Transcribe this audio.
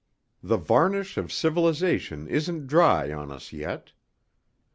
The varnish of civilization isn't dry on us yet.